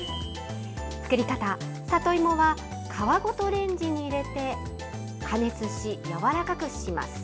作り方、里芋は皮ごとレンジに入れて加熱し、柔らかくします。